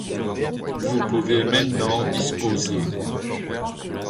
Vous pouvez maintenant disposer.